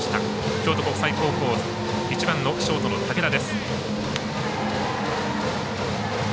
京都国際高校１番のショートの武田です。